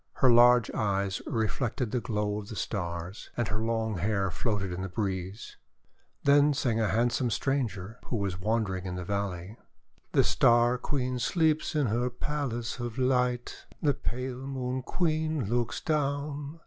Her large eyes reflected the glow of the Stars, and her long hair floated on the breeze. Then sang a handsome stranger who was wandering in the valley :" The Star Queen sleeps in her palace of light. The pale Moon Queen looks down.